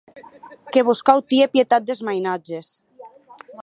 Que vos cau tier pietat des mainatges.